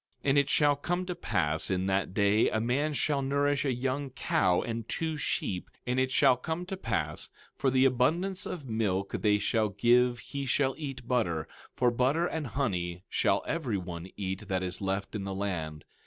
17:21 And it shall come to pass in that day, a man shall nourish a young cow and two sheep; 17:22 And it shall come to pass, for the abundance of milk they shall give he shall eat butter; for butter and honey shall every one eat that is left in the land.